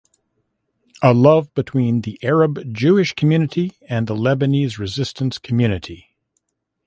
A love between the Arab Jewish community and the Lebanese resistance community.